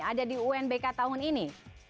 ada di unbk tahun ini